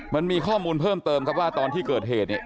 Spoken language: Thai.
มันมีข้อมูลเพิ่มเติมครับว่าตอนที่เกิดเหตุเนี่ย